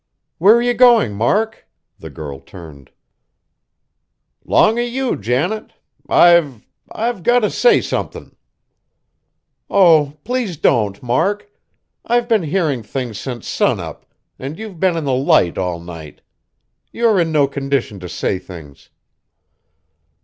"Where are you going, Mark?" The girl turned. "'Long o' you, Janet. I've I've got t' say somethin'!" "Oh! please don't, Mark. I've been hearing things since sun up, and you've been in the Light all night. You are in no condition to say things."